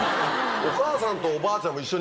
お母さんとおばあちゃんも。